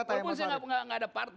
walaupun saya tidak ada part